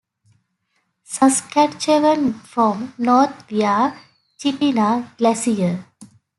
Saskatchewan from north via Chitina Glacier.